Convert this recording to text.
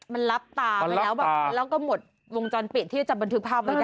มันรับตาไปแล้วแบบแล้วก็หมดวงจรปิดที่จะบันทึกภาพไว้ได้